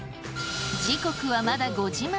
時刻はまだ５時前。